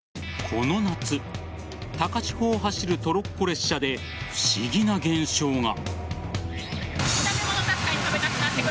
この夏高千穂を走るトロッコ列車で不思議な現象が。